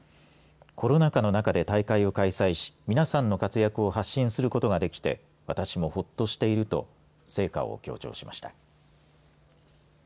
コロナ禍の中で大会を開催し皆さんの活躍を発信することができて私もほっとしていると成果を強調しました。